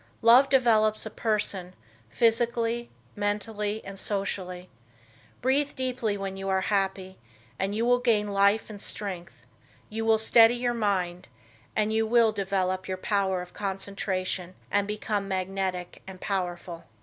Love develops a person, physically, mentally and socially. Breathe deeply when you are happy and you will gain life and strength; you will steady your mind and you will develop your power of concentration and become magnetic and powerful.